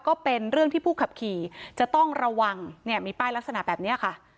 ก็เป็นเรื่องที่ผู้ขับขี่จะต้องระวังเนี่ยมีป้ายลักษณะแบบนี้ค่ะ